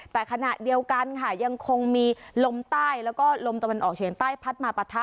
แต่ขณะเดียวกันค่ะยังคงมีลมใต้แล้วก็ลมตะวันออกเฉียงใต้พัดมาปะทะ